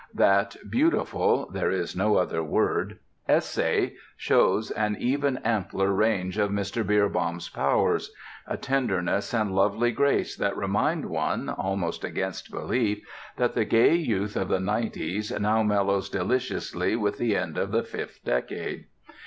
That beautiful (there is no other word) essay shows an even ampler range of Mr. Beerbohm's powers: a tenderness and lovely grace that remind one, almost against belief, that the gay youth of the '90's now mellows deliciously with the end of the fifth decade.